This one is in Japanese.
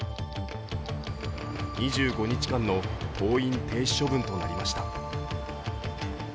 ２５日間の登院停止処分となりました。